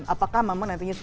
apakah memang nantinya